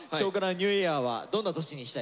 ニューイヤーはどんな年にしたいですか？